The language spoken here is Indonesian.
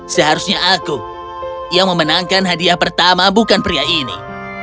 seharusnya aku yang memenangkan hadiah pertama bukan pria ini